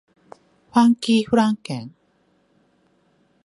ファンキーフランケン